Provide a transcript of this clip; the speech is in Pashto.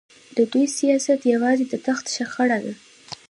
د دوی سیاست یوازې د تخت شخړه ده.